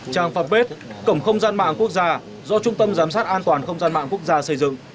trang phạm bếp cổng không gian mạng quốc gia do trung tâm giám sát an toàn không gian mạng quốc gia xây dựng